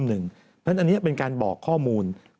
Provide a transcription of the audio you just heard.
เพราะฉะนั้นอันนี้เป็นการบอกข้อมูล